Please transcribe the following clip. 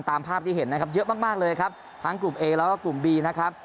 ตามภาพที่เห็นนะครับเยอะมากมากเลยครับทั้งกลุ่มเอแล้วก็กลุ่มบีนะครับ